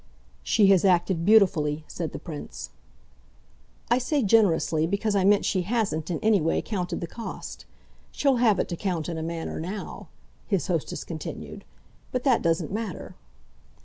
"She has acted beautifully," said the Prince. "I say 'generously' because I mean she hasn't, in any way, counted the cost. She'll have it to count, in a manner, now," his hostess continued. "But that doesn't matter."